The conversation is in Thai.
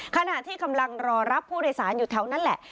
ขณะที่กำลังรอรับผู้โดยสารอยู่แถวนั้นแหละ